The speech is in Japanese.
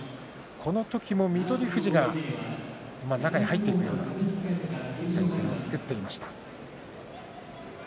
この時も翠富士が中に入っていくような体勢を作っていました。